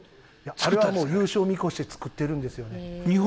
あれは優勝を見越して作ってるんですよ。